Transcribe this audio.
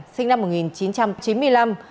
sinh năm một nghìn chín trăm chín mươi năm